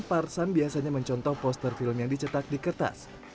parsan biasanya mencontoh poster film yang dicetak di kertas